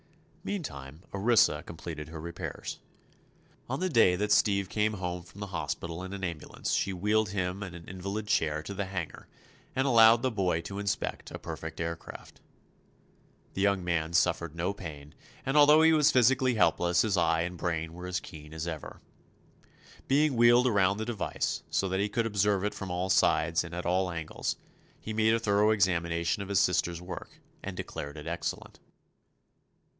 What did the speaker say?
Meantime Orissa completed her repairs. On the day that Steve came home from the hospital in an ambulance she wheeled him in an invalid chair to the hangar and allowed the boy to inspect a perfect aircraft. The young man suffered no pain, and although he was physically helpless his eye and brain were as keen as ever. Being wheeled around the device, so that he could observe it from all sides and at all angles, he made a thorough examination of his sister's work and declared it excellent.